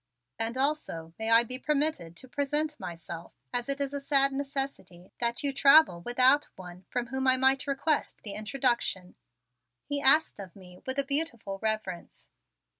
"And also may I be permitted to present myself, as it is a sad necessity that you travel without one from whom I might request the introduction?" he asked of me with a beautiful reverence.